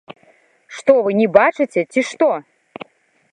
Што вы не бачыце, ці што?